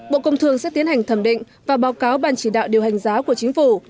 bộ công thương sẽ tiến hành thẩm định và báo cáo ban chỉ đạo điều hành giá của chính phủ